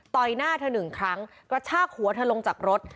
ต่อยหน้าเธอ๑ครั้งกระชากหัวเธอลงจากรถ